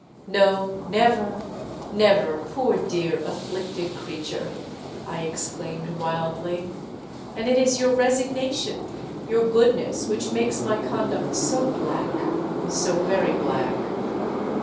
—'No: never, never, poor dear afflicted creature!' I exclaimed wildly; 'and it is your resignation, your goodness which makes my conduct so black, so very black!'